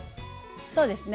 そうですね